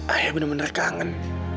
ayah bener bener kangen